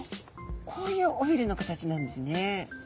こういう尾びれの形なんですね。